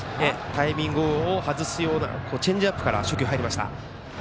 タイミングを外すようなチェンジアップから初球、入りました。